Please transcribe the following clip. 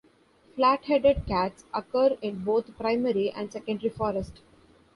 Flat-headed cats occur in both primary and secondary forest.